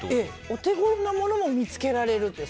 お手頃なものも見つけられるという。